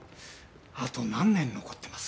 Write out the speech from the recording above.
あと何年残ってますか？